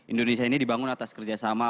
indonesia ini dibangun atas kerja sama